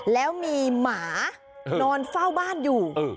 แล้วมีหมานอนเฝ้าบ้านอยู่